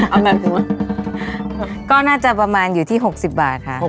เอามันผิวนะน่าจะประมาณอยู่ที่๖๐บาทค่ะ